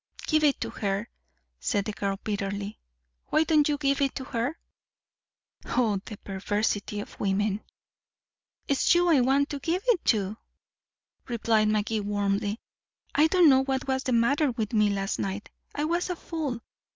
"Give it to her," said the girl bitterly. "Why don't you give it to her?" Oh, the perversity of women! "It's you I want to give it to," replied Magee warmly. "I don't know what was the matter with me last night. I was a fool.